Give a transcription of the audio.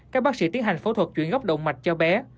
các bác sĩ tiến hành phẫu thuật chuyển gốc động mạch cho bé